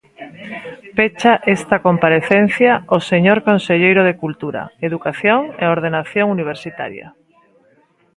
Pecha esta comparecencia o señor conselleiro de Cultura, Educación e Ordenación Universitaria.